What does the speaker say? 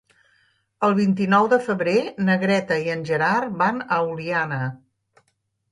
El vint-i-nou de febrer na Greta i en Gerard van a Oliana.